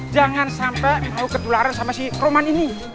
jangan sampai mau kedularan sama si roman ini